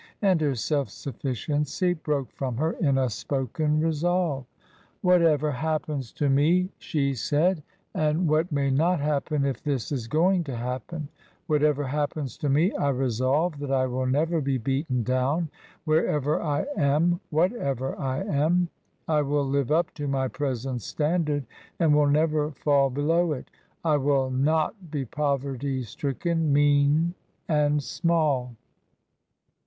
And her self sufficiency broke from her in a spoken resolve. "Whatever happens to me," she said — "and what may not happen if this is going to happen ?— whatever happens to me, I resolve that I will never be beaten down. Wherever I am, whatever I am, I will live up to my present standard, and will never fall below it. I will not be poverty stricken, mean, and small."